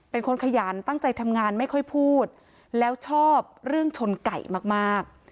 เป็นคนขยันตั้งใจทำงานไม่ค่อยพูดแล้วชอบเรื่องชนไก่มาก